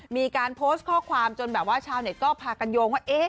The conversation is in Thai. มีการโพสต์ข้อความจนแบบว่าชาวเน็ตก็พากันโยงว่า